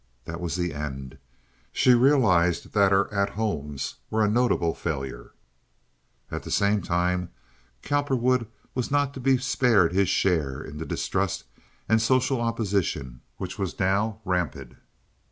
That was the end. She realized that her "at homes" were a notable failure. At the same time Cowperwood was not to be spared his share in the distrust and social opposition which was now rampant.